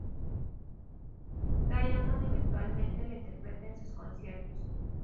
Diamond eventualmente la interpreta en sus conciertos.